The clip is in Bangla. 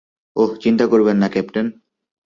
ওহ, চিন্তা করবেন না, ক্যাপ্টেন।